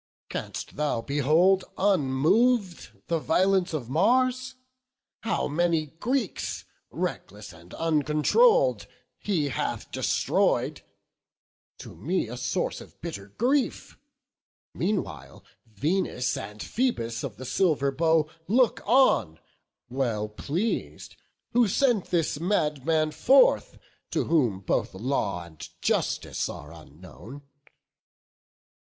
canst thou behold unmov'd The violence of Mars? how many Greeks, Reckless and uncontroll'd, he hath destroy'd; To me a source of bitter grief; meanwhile Venus and Phoebus of the silver bow Look on, well pleas'd, who sent this madman forth, To whom both law and justice are unknown.